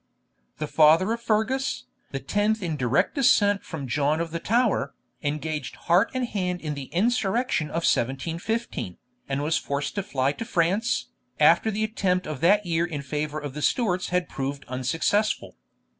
The father of Fergus, the tenth in direct descent from John of the Tower, engaged heart and hand in the insurrection of 1715, and was forced to fly to France, after the attempt of that year in favour of the Stuarts had proved unsuccessful.